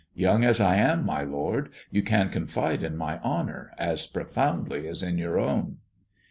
Young as I am, my lord, you can confide in my honour as profoundly as in your own."